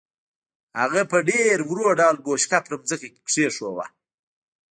هغه په ډېر ورو ډول بوشکه پر ځمکه کېښوده.